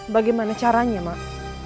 bagaimana caranya mak